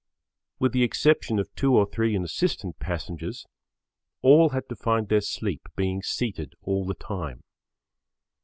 With the exception of two or three insistent passengers, all had to find their sleep being seated all the time.